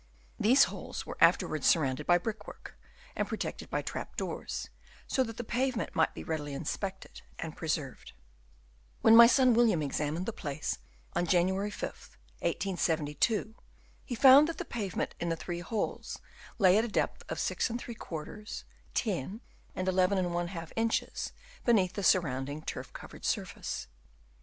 These holes were afterwards surrounded by brickwork, and protected by trap doors, so that the pavement might be readily inspected and preserved. When my son William examined the place on January 5, 1872, he found that the pavement in the three holes lay at depths of 6|, 10 and Hi inches beneath the surrounding turf covered surface.